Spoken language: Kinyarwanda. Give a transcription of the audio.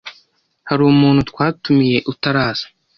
Hari umuntu twatumiye utaraza?